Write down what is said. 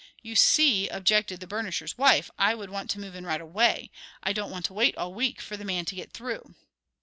"You see," objected the burnisher's wife, "I would want to move in right away. I don't want to wait all week for the man to get through."